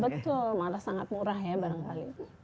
betul malah sangat murah ya barangkali